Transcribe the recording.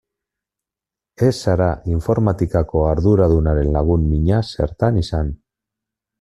Ez zara informatikako arduradunaren lagun mina zertan izan.